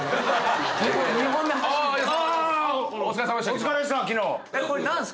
お疲れさまでした昨日。